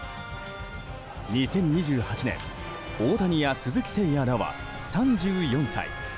２０２８年大谷や鈴木誠也らは、３４歳。